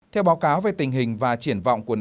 theo báo cáo về tình hình và triển vọng của nền